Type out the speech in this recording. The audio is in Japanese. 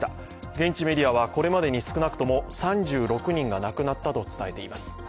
現地メディアはこれまでに少なくとも３６人が亡くなったと伝えています。